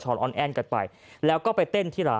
จนกระทั่งบ่าย๓โมงก็ไม่เห็นออกมา